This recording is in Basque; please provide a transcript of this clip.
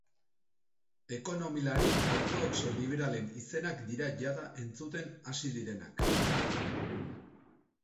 Ekonomilari ortodoxo liberalen izenak dira jada entzuten hasi direnak.